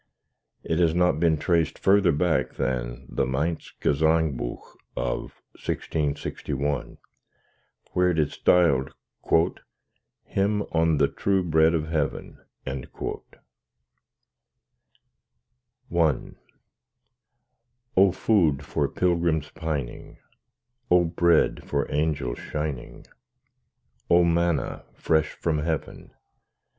It has not been traced further back than the Mainz Gesang Buch of 1661, where it is styled "Hymn on the true Bread of Heaven." I O Food for pilgrims pining! O Bread for angels shining! O Manna fresh from heaven!